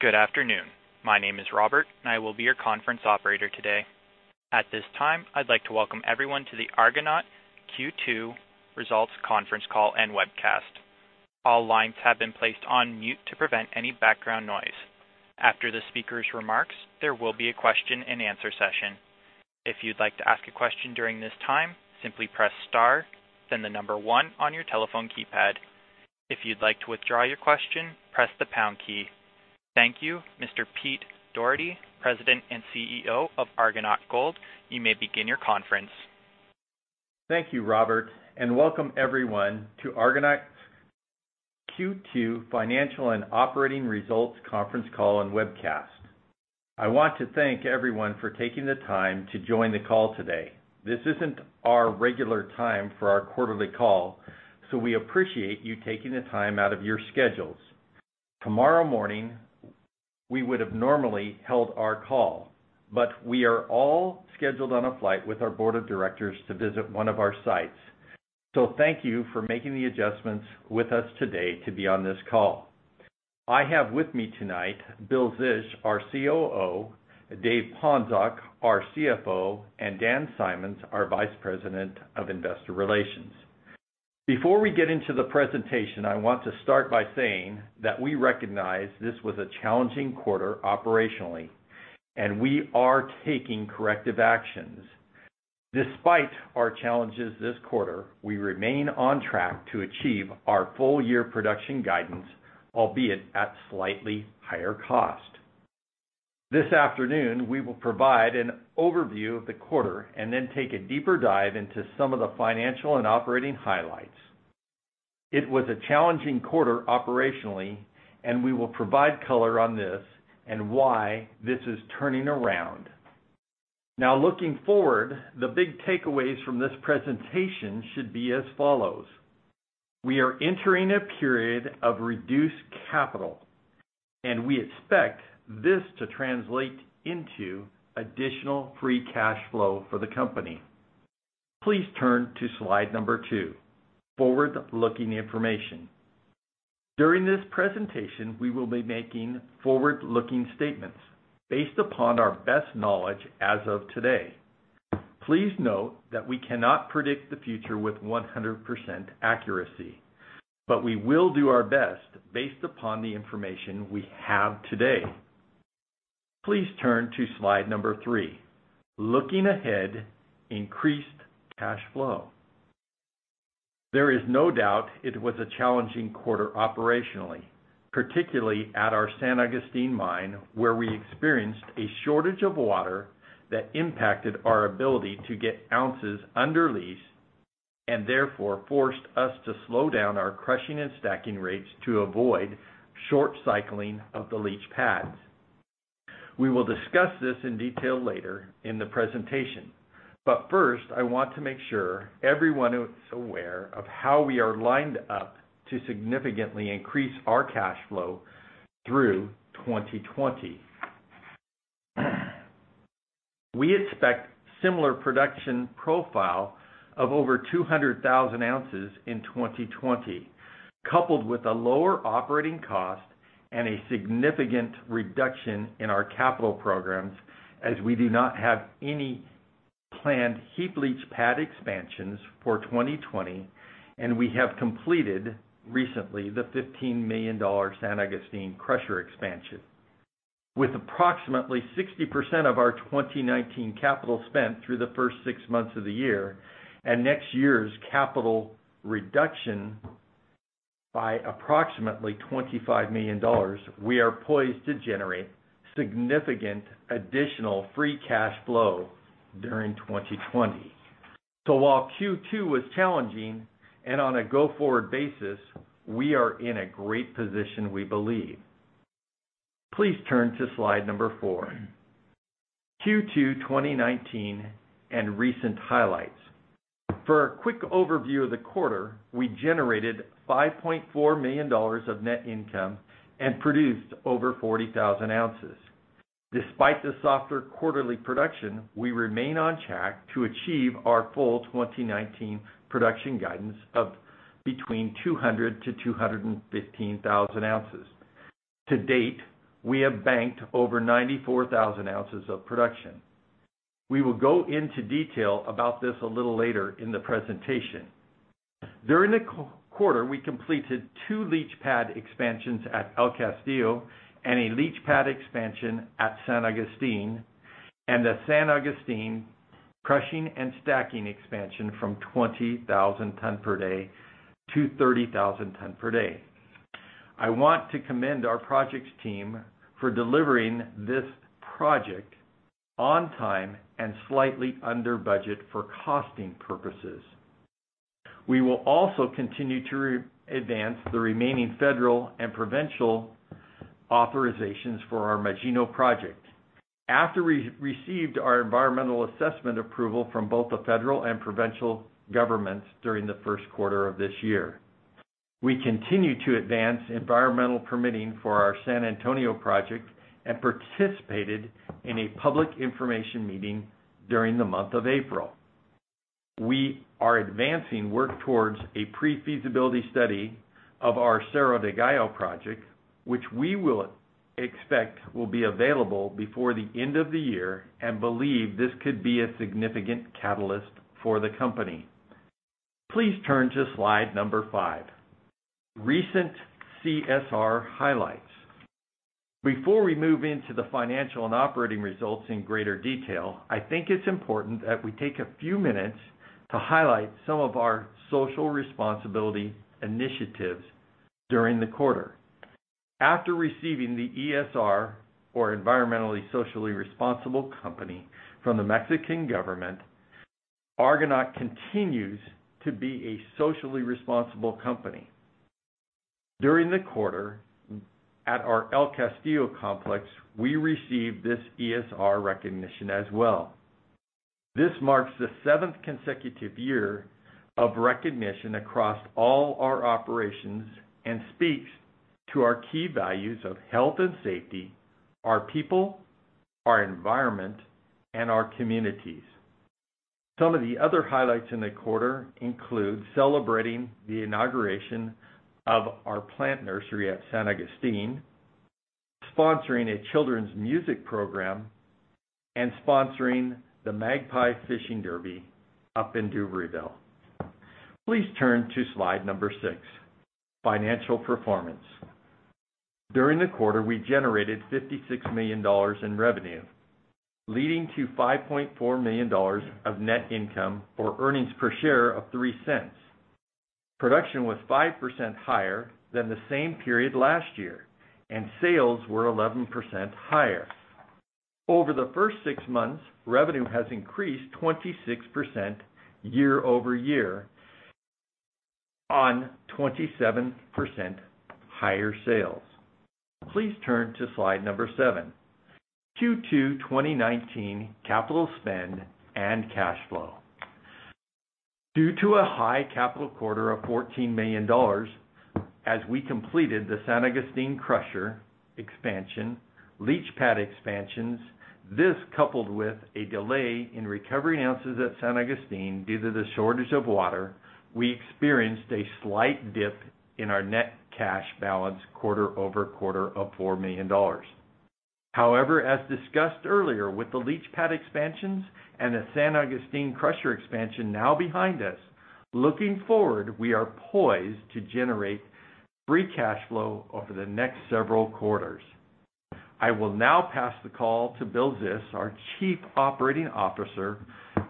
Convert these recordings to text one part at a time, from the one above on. Good afternoon. My name is Robert, and I will be your conference operator today. At this time, I'd like to welcome everyone to the Argonaut Q2 Results Conference Call and Webcast. All lines have been placed on mute to prevent any background noise. After the speaker's remarks, there will be a question and answer session. If you'd like to ask a question during this time, simply press star, then the number one on your telephone keypad. If you'd like to withdraw your question, press the pound key. Thank you, Mr. Pete Dougherty, President and CEO of Argonaut Gold. You may begin your conference. Thank you, Robert, and welcome everyone to Argonaut's Q2 Financial and Operating Results Conference Call and Webcast. I want to thank everyone for taking the time to join the call today. This isn't our regular time for our quarterly call, so we appreciate you taking the time out of your schedules. Tomorrow morning, we would've normally held our call, but we are all scheduled on a flight with our board of directors to visit one of our sites. Thank you for making the adjustments with us today to be on this call. I have with me tonight, Bill Zisch, our COO, Dave Ponczoch, our CFO, and Dan Symons, our Vice President of Investor Relations. Before we get into the presentation, I want to start by saying that we recognize this was a challenging quarter operationally, and we are taking corrective actions. Despite our challenges this quarter, we remain on track to achieve our full-year production guidance, albeit at slightly higher cost. This afternoon, we will provide an overview of the quarter and then take a deeper dive into some of the financial and operating highlights. It was a challenging quarter operationally, and we will provide color on this and why this is turning around. Looking forward, the big takeaways from this presentation should be as follows. We are entering a period of reduced capital, and we expect this to translate into additional free cash flow for the company. Please turn to slide number two, forward-looking information. During this presentation, we will be making forward-looking statements based upon our best knowledge as of today. Please note that we cannot predict the future with 100% accuracy, but we will do our best based upon the information we have today. Please turn to slide number 3, looking ahead, increased cash flow. There is no doubt it was a challenging quarter operationally, particularly at our San Agustin mine, where we experienced a shortage of water that impacted our ability to get ounces under leach, and therefore forced us to slow down our crushing and stacking rates to avoid short cycling of the leach pads. We will discuss this in detail later in the presentation. First, I want to make sure everyone is aware of how we are lined up to significantly increase our cash flow through 2020. We expect similar production profile of over 200,000 ounces in 2020, coupled with a lower operating cost and a significant reduction in our capital programs as we do not have any planned heap leach pad expansions for 2020. We have completed recently the $15 million San Agustin crusher expansion. With approximately 60% of our 2019 capital spent through the first six months of the year, and next year's capital reduction by approximately $25 million, we are poised to generate significant additional free cash flow during 2020. While Q2 was challenging, and on a go-forward basis, we are in a great position, we believe. Please turn to slide number four, Q2 2019 and recent highlights. For a quick overview of the quarter, we generated $5.4 million of net income and produced over 40,000 ounces. Despite the softer quarterly production, we remain on track to achieve our full 2019 production guidance of between 200,000-215,000 ounces. To date, we have banked over 94,000 ounces of production. We will go into detail about this a little later in the presentation. During the quarter, we completed two leach pad expansions at El Castillo and a leach pad expansion at San Agustin and the San Agustin crushing and stacking expansion from 20,000 tons per day to 30,000 tons per day. I want to commend our projects team for delivering this project on time and slightly under budget for costing purposes. We will also continue to advance the remaining federal and provincial authorizations for our Magino project. After we received our environmental assessment approval from both the federal and provincial governments during the first quarter of this year. We continue to advance environmental permitting for our San Antonio project and participated in a public information meeting during the month of April. We are advancing work towards a pre-feasibility study of our Cerro del Gallo project, which we will expect will be available before the end of the year and believe this could be a significant catalyst for the company. Please turn to slide number five, Recent CSR Highlights. Before we move into the financial and operating results in greater detail, I think it's important that we take a few minutes to highlight some of our social responsibility initiatives during the quarter. After receiving the ESR, or Environmentally Socially Responsible company from the Mexican government, Argonaut continues to be a socially responsible company. During the quarter, at our El Castillo complex, we received this ESR recognition as well. This marks the seventh consecutive year of recognition across all our operations and speaks to our key values of health and safety, our people, our environment, and our communities. Some of the other highlights in the quarter include celebrating the inauguration of our plant nursery at San Agustin, sponsoring a children's music program, and sponsoring the Magpie Fishing Derby up in Dubreuilville. Please turn to slide number six, Financial Performance. During the quarter, we generated $56 million in revenue, leading to $5.4 million of net income, or earnings per share of $0.03. Production was 5% higher than the same period last year, and sales were 11% higher. Over the first six months, revenue has increased 26% year-over-year on 27% higher sales. Please turn to slide number seven, Q2 2019 Capital Spend and Cash Flow. Due to a high capital quarter of $14 million, as we completed the San Agustin crusher expansion, leach pad expansions, this coupled with a delay in recovering ounces at San Agustin due to the shortage of water, we experienced a slight dip in our net cash balance quarter-over-quarter of $4 million. However, as discussed earlier with the leach pad expansions and the San Agustin crusher expansion now behind us, looking forward, we are poised to generate free cash flow over the next several quarters. I will now pass the call to Bill Zisch, our Chief Operating Officer,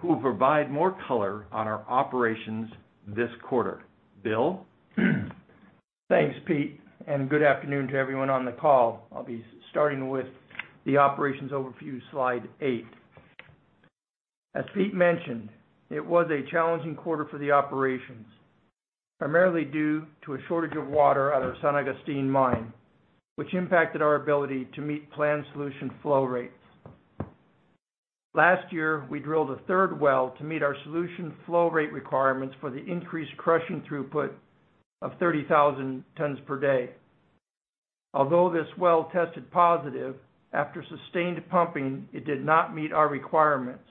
who will provide more color on our operations this quarter. Bill? Thanks, Pete. Good afternoon to everyone on the call. I'll be starting with the operations overview, slide eight. As Pete mentioned, it was a challenging quarter for the operations, primarily due to a shortage of water at our San Agustin mine, which impacted our ability to meet planned solution flow rates. Last year, we drilled a third well to meet our solution flow rate requirements for the increased crushing throughput of 30,000 tons per day. Although this well tested positive, after sustained pumping, it did not meet our requirements.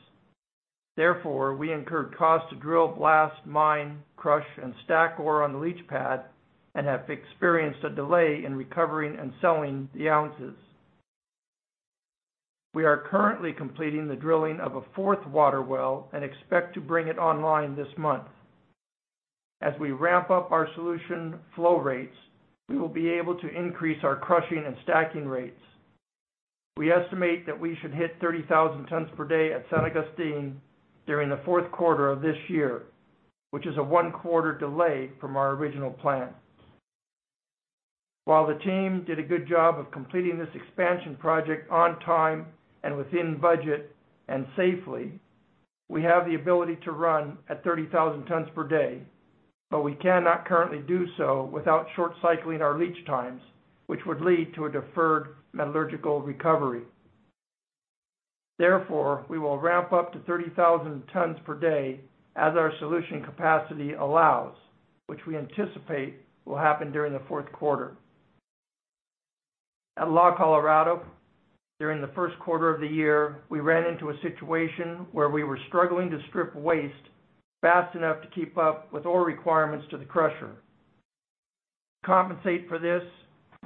Therefore, we incurred costs to drill, blast, mine, crush, and stack ore on the leach pad and have experienced a delay in recovering and selling the ounces. We are currently completing the drilling of a fourth water well and expect to bring it online this month. As we ramp up our solution flow rates, we will be able to increase our crushing and stacking rates. We estimate that we should hit 30,000 tons per day at San Agustin during the fourth quarter of this year, which is a one-quarter delay from our original plan. While the team did a good job of completing this expansion project on time and within budget and safely, we have the ability to run at 30,000 tons per day, but we cannot currently do so without short cycling our leach times, which would lead to a deferred metallurgical recovery. Therefore, we will ramp up to 30,000 tons per day as our solution capacity allows, which we anticipate will happen during the fourth quarter. At La Colorada, during the first quarter of the year, we ran into a situation where we were struggling to strip waste fast enough to keep up with ore requirements to the crusher. To compensate for this,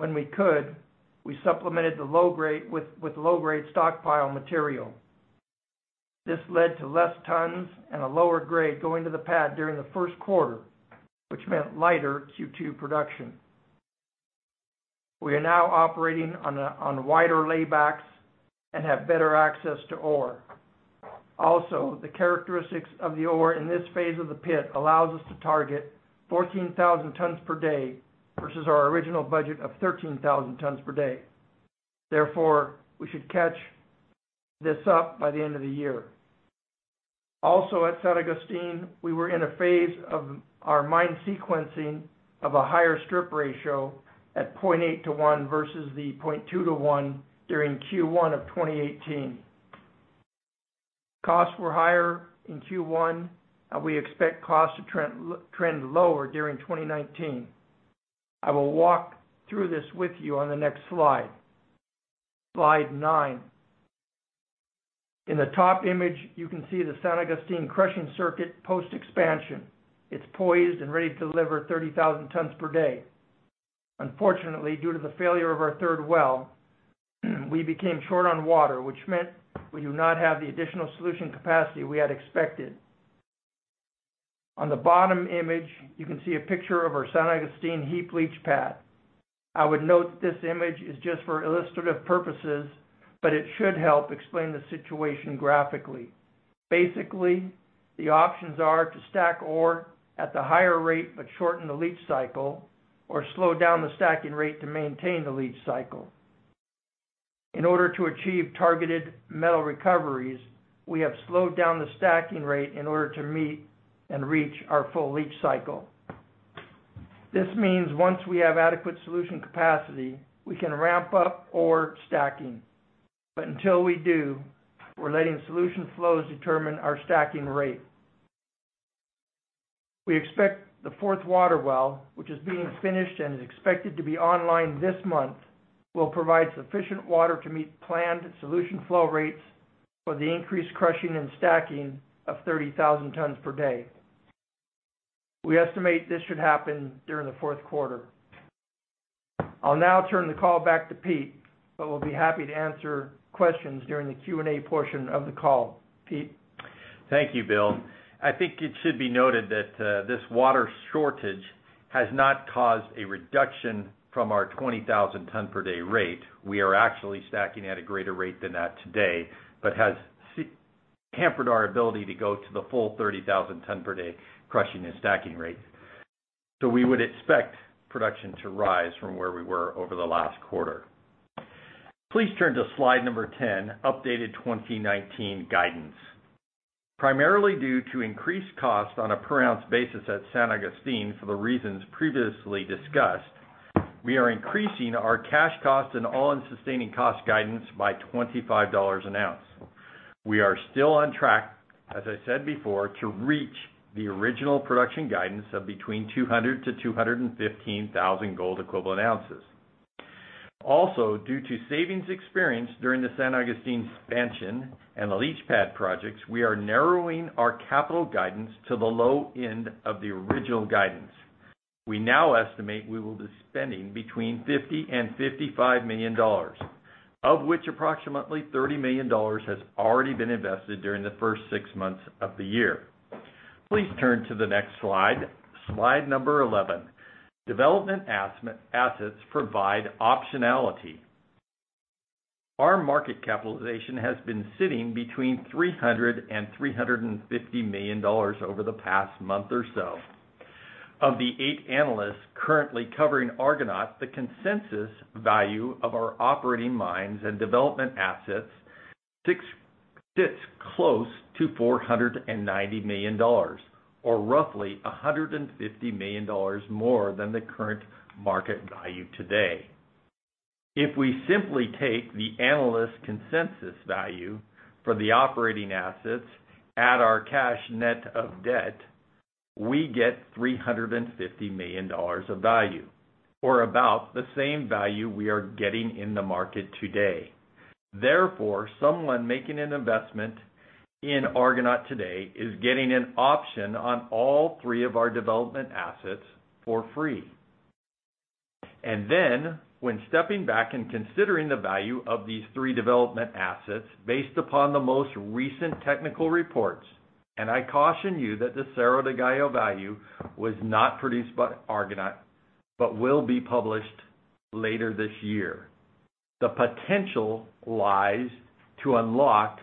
when we could, we supplemented the low grade with low grade stockpile material. This led to less tons and a lower grade going to the pad during the first quarter, which meant lighter Q2 production. We are now operating on wider laybacks and have better access to ore. The characteristics of the ore in this phase of the pit allows us to target 14,000 tons per day versus our original budget of 13,000 tons per day. We should catch this up by the end of the year. Also at San Agustin, we were in a phase of our mine sequencing of a higher strip ratio at 0.8 to 1 versus the 0.2 to 1 during Q1 of 2018. Costs were higher in Q1, and we expect costs to trend lower during 2019. I will walk through this with you on the next slide. Slide nine. In the top image, you can see the San Agustin crushing circuit post-expansion. It's poised and ready to deliver 30,000 tons per day. Unfortunately, due to the failure of our third well, we became short on water, which meant we do not have the additional solution capacity we had expected. On the bottom image, you can see a picture of our San Agustin heap leach pad. I would note that this image is just for illustrative purposes, but it should help explain the situation graphically. Basically, the options are to stack ore at the higher rate but shorten the leach cycle or slow down the stacking rate to maintain the leach cycle. In order to achieve targeted metal recoveries, we have slowed down the stacking rate in order to meet and reach our full leach cycle. This means once we have adequate solution capacity, we can ramp up ore stacking. Until we do, we're letting solution flows determine our stacking rate. We expect the fourth water well, which is being finished and is expected to be online this month, will provide sufficient water to meet planned solution flow rates for the increased crushing and stacking of 30,000 tons per day. We estimate this should happen during the fourth quarter. I'll now turn the call back to Pete, but we'll be happy to answer questions during the Q&A portion of the call. Pete? Thank you, Bill. I think it should be noted that this water shortage has not caused a reduction from our 20,000 ton per day rate. We are actually stacking at a greater rate than that today, but has hampered our ability to go to the full 30,000 ton per day crushing and stacking rate. We would expect production to rise from where we were over the last quarter. Please turn to slide number 10, updated 2019 guidance. Primarily due to increased costs on a per-ounce basis at San Agustin for the reasons previously discussed, we are increasing our cash cost and all-in sustaining cost guidance by $25 an ounce. We are still on track, as I said before, to reach the original production guidance of between 200,000 to 215,000 gold equivalent ounces. Also, due to savings experienced during the San Agustin expansion and the heap leach pad projects, we are narrowing our capital guidance to the low end of the original guidance. We now estimate we will be spending between $50 million and $55 million, of which approximately $30 million has already been invested during the first six months of the year. Please turn to the next slide. Slide number 11, development assets provide optionality. Our market capitalization has been sitting between $300 million and $350 million over the past month or so. Of the eight analysts currently covering Argonaut, the consensus value of our operating mines and development assets sits close to $490 million, or roughly $150 million more than the current market value today. If we simply take the analyst consensus value for the operating assets at our cash net of debt, we get $350 million of value, or about the same value we are getting in the market today. Someone making an investment in Argonaut today is getting an option on all three of our development assets for free. When stepping back and considering the value of these three development assets, based upon the most recent technical reports, and I caution you that the Cerro del Gallo value was not produced by Argonaut, but will be published later this year. The potential lies to unlock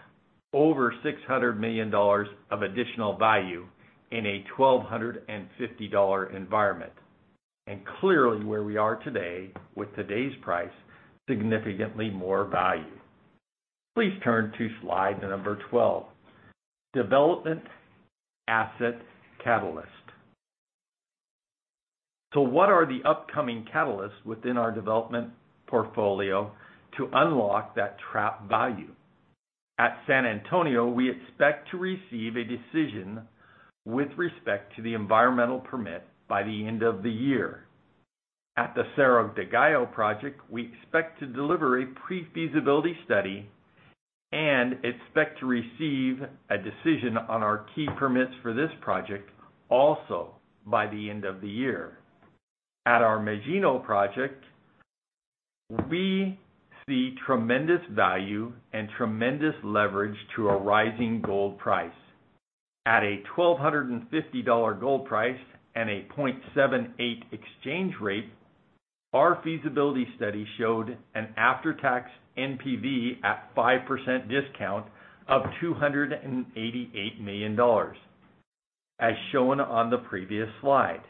over $600 million of additional value in a $1,250 environment. Clearly where we are today with today's price, significantly more value. Please turn to slide number 12, development asset catalyst. What are the upcoming catalysts within our development portfolio to unlock that trapped value? At San Antonio, we expect to receive a decision with respect to the environmental permit by the end of the year. At the Cerro del Gallo project, we expect to deliver a pre-feasibility study and expect to receive a decision on our key permits for this project also by the end of the year. At our Magino project, we see tremendous value and tremendous leverage to a rising gold price. At a $1,250 gold price and a 0.78 exchange rate, our feasibility study showed an after-tax NPV at 5% discount of $288 million, as shown on the previous slide.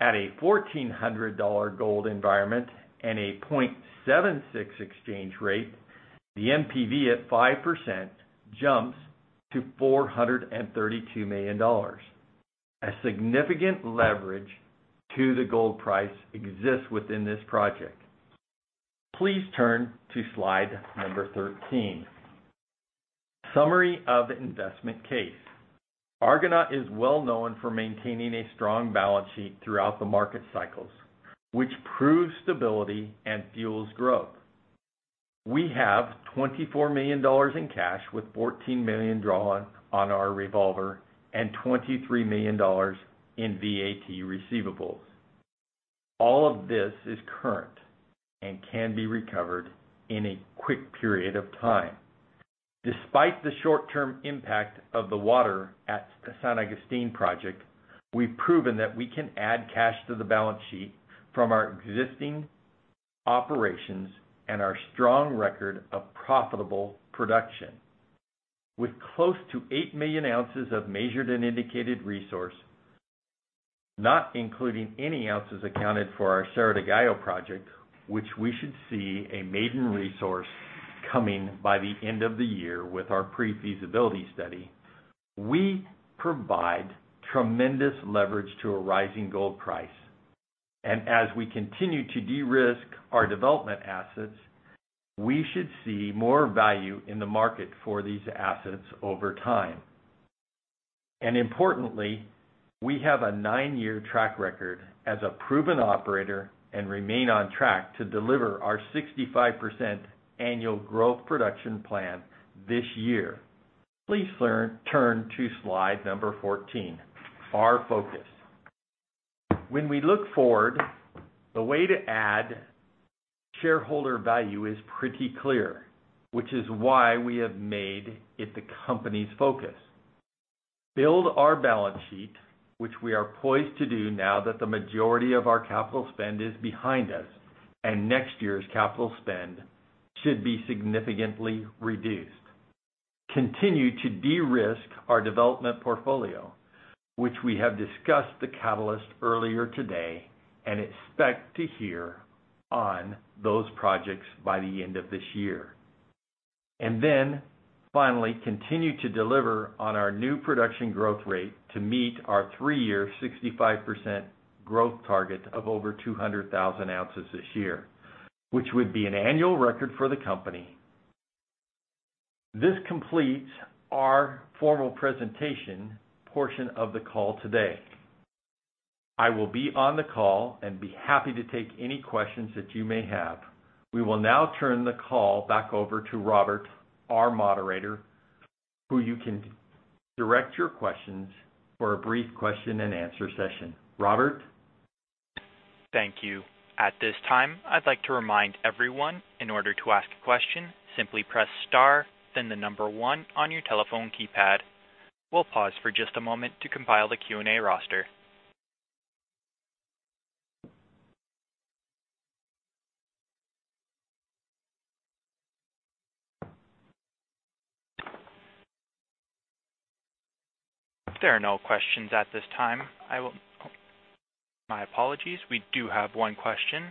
At a $1,400 gold environment and a 0.76 exchange rate, the NPV at 5% jumps to $432 million. A significant leverage to the gold price exists within this project. Please turn to slide number 13. Summary of investment case. Argonaut is well-known for maintaining a strong balance sheet throughout the market cycles, which proves stability and fuels growth. We have $24 million in cash with $14 million drawn on our revolver and $23 million in VAT receivables. All of this is current and can be recovered in a quick period of time. Despite the short-term impact of the water at San Agustin project, we've proven that we can add cash to the balance sheet from our existing operations and our strong record of profitable production. With close to eight million ounces of measured and indicated resource, not including any ounces accounted for our Cerro del Gallo project, which we should see a maiden resource coming by the end of the year with our pre-feasibility study. We provide tremendous leverage to a rising gold price, and as we continue to de-risk our development assets, we should see more value in the market for these assets over time. Importantly, we have a nine-year track record as a proven operator and remain on track to deliver our 65% annual growth production plan this year. Please turn to slide number 14, Our Focus. When we look forward, the way to add shareholder value is pretty clear, which is why we have made it the company's focus. Build our balance sheet, which we are poised to do now that the majority of our capital spend is behind us, and next year's capital spend should be significantly reduced. Continue to de-risk our development portfolio, which we have discussed the catalyst earlier today and expect to hear on those projects by the end of this year. Finally, continue to deliver on our new production growth rate to meet our three-year 65% growth target of over 200,000 ounces this year, which would be an annual record for the company. This completes our formal presentation portion of the call today. I will be on the call and be happy to take any questions that you may have. We will now turn the call back over to Robert, our moderator, who you can direct your questions for a brief question and answer session. Robert? Thank you. At this time, I'd like to remind everyone, in order to ask a question, simply press star, then the number 1 on your telephone keypad. We'll pause for just a moment to compile the Q&A roster. If there are no questions at this time. My apologies. We do have one question,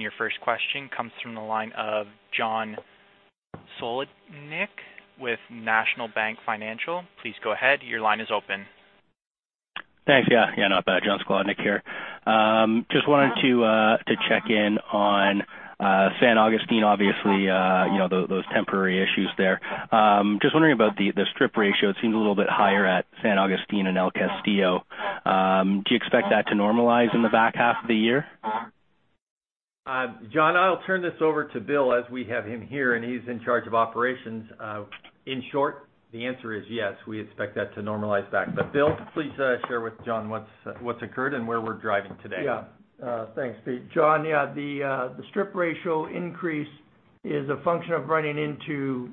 your first question comes from the line of John Sclodnick with National Bank Financial. Please go ahead. Your line is open. Thanks. Yeah, no, John Sclodnick here. I just wanted to check in on San Agustin, obviously, those temporary issues there. I just wondering about the strip ratio. It seems a little bit higher at San Agustin and El Castillo. Do you expect that to normalize in the back half of the year? John, I'll turn this over to Bill as we have him here, and he's in charge of operations. In short, the answer is yes. We expect that to normalize back. Bill, please share with John what's occurred and where we're driving today. Yeah. Thanks, Pete. John, yeah, the strip ratio increase is a function of running into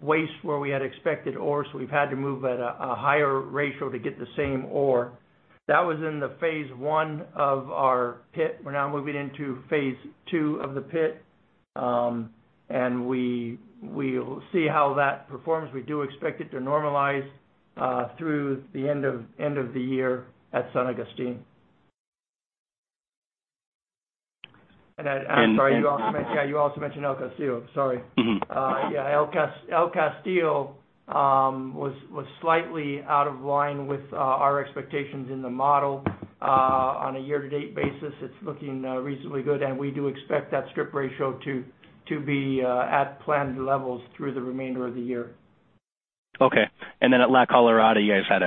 waste where we had expected ore, so we've had to move at a higher ratio to get the same ore. That was in the phase 1 of our pit. We're now moving into phase 2 of the pit. We'll see how that performs. We do expect it to normalize through the end of the year at San Agustin. And- I'm sorry. You also mentioned El Castillo. Sorry. Yeah. El Castillo was slightly out of line with our expectations in the model. On a year-to-date basis, it's looking reasonably good, and we do expect that strip ratio to be at planned levels through the remainder of the year. Okay. At La Colorada, you guys had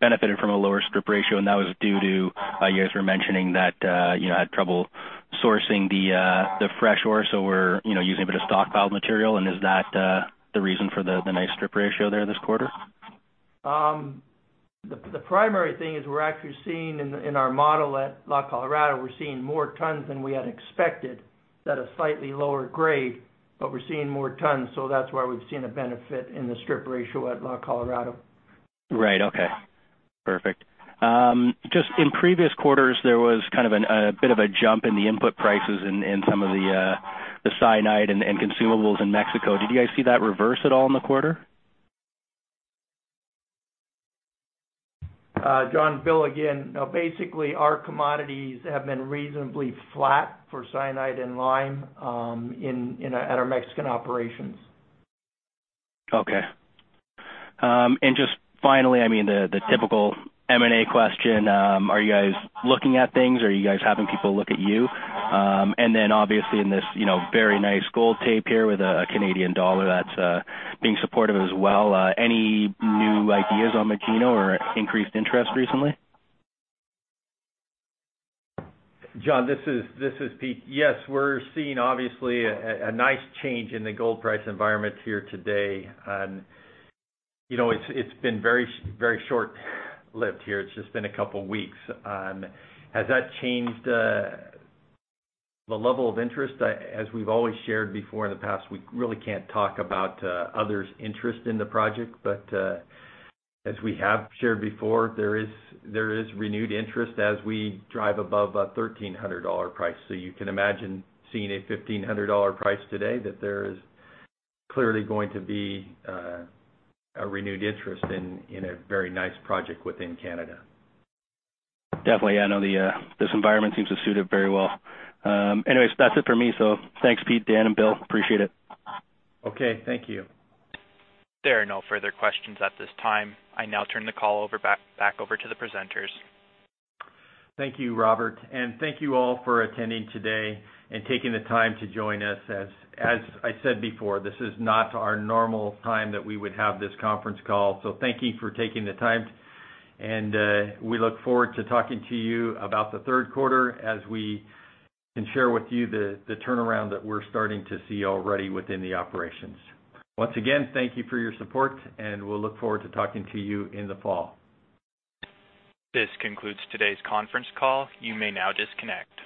benefited from a lower strip ratio, and that was due to, you guys were mentioning that you had trouble sourcing the fresh ore, so we're using a bit of stockpile material. Is that the reason for the nice strip ratio there this quarter? The primary thing is we're actually seeing in our model at La Colorada, we're seeing more tons than we had expected at a slightly lower grade, but we're seeing more tons, so that's why we've seen a benefit in the strip ratio at La Colorada. Right. Okay. Perfect. Just in previous quarters, there was kind of a bit of a jump in the input prices in some of the cyanide and consumables in Mexico. Did you guys see that reverse at all in the quarter? John, Bill again. No, basically our commodities have been reasonably flat for cyanide and lime at our Mexican operations. Okay. Just finally, I mean the typical M&A question, are you guys looking at things? Are you guys having people look at you? Obviously in this very nice gold tape here with a Canadian dollar that's being supportive as well. Any new ideas on Magino or increased interest recently? John, this is Pete. We're seeing obviously a nice change in the gold price environment here today, and it's been very short-lived here. It's just been a couple weeks. Has that changed the level of interest? As we've always shared before in the past, we really can't talk about others' interest in the project. As we have shared before, there is renewed interest as we drive above a $1,300 price. You can imagine seeing a $1,500 price today, that there is clearly going to be a renewed interest in a very nice project within Canada. Definitely. I know this environment seems to suit it very well. Anyways, that's it for me. Thanks, Pete, Dan, and Bill. Appreciate it. Okay. Thank you. There are no further questions at this time. I now turn the call back over to the presenters. Thank you, Robert, and thank you all for attending today and taking the time to join us. As I said before, this is not our normal time that we would have this conference call, so thank you for taking the time. We look forward to talking to you about the third quarter as we can share with you the turnaround that we're starting to see already within the operations. Once again, thank you for your support, and we'll look forward to talking to you in the fall. This concludes today's conference call. You may now disconnect.